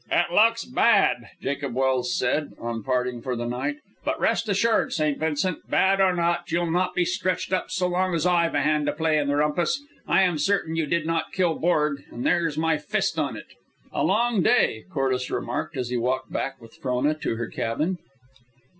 "It looks bad," Jacob Welse said, on parting for the night. "But rest assured, St. Vincent, bad or not, you'll not be stretched up so long as I've a hand to play in the rumpus. I am certain you did not kill Borg, and there's my fist on it." "A long day," Corliss remarked, as he walked back with Frona to her cabin.